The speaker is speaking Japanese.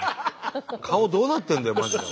顔どうなってるんだよマジで。